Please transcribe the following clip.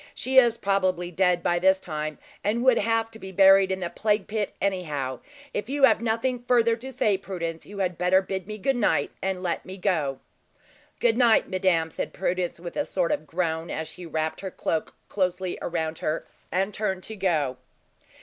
She is probably dead by this time, and would have to be buried in the plague pit, anyhow. If you have nothing further to say, Prudence, you had better bid me good night, and let me go." "Good night, madame!" said Prudence, with a sort of groan, as she wrapped her cloak closely around her, and turned to go.